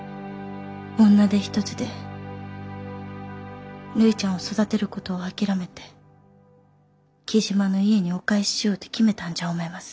女手一つでるいちゃんを育てることを諦めて雉真の家にお返ししようて決めたんじゃ思います。